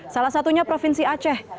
salah satunya provinsi aceh